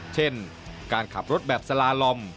เช่นการขับรถแบบสลาลอม